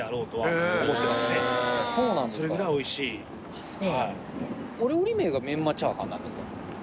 あっそうなんですね。